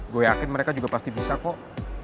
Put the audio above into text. gue yakin mereka juga pasti bisa kok